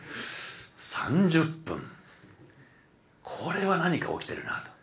これは何か起きてるなと。